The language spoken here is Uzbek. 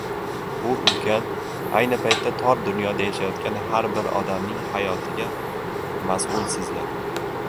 bu ulkan, ayni paytda tor dunyoda yashayotgan har bir odamning hayotiga mas’ulsizlar.